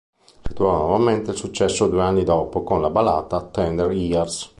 Ritrova nuovamente il successo due anni dopo con la ballata "Tender Years".